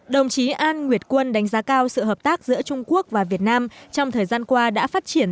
đồng chí an nguyệt quân đánh giá cao sự hợp tác giữa trung quốc và việt nam trong thời gian qua đã phát triển